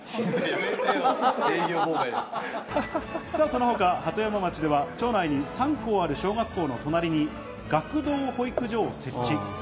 その他、鳩山町では町内に３個ある小学校の隣に学童保育所を設置。